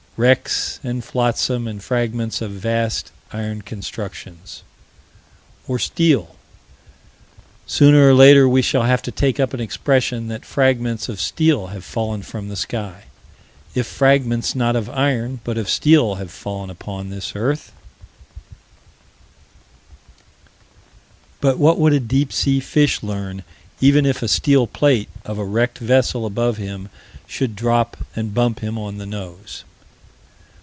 Wrecks and flotsam and fragments of vast iron constructions Or steel. Sooner or later we shall have to take up an expression that fragments of steel have fallen from the sky. If fragments not of iron, but of steel have fallen upon this earth But what would a deep sea fish learn even if a steel plate of a wrecked vessel above him should drop and bump him on the nose?